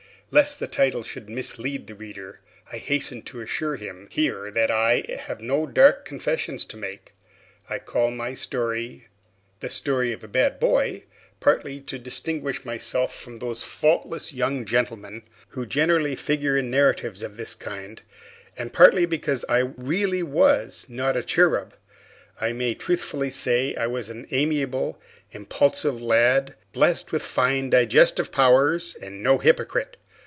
Lest the title should mislead the reader, I hasten to assure him here that I have no dark confessions to make. I call my story the story of a bad boy, partly to distinguish myself from those faultless young gentlemen who generally figure in narratives of this kind, and partly because I really was not a cherub. I may truthfully say I was an amiable, impulsive lad, blessed with fine digestive powers, and no hypocrite.